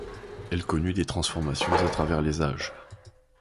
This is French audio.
Elle connut des transformations à travers les âges.